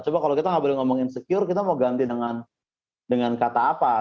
coba kalau kita nggak boleh ngomong insecure kita mau ganti dengan kata apa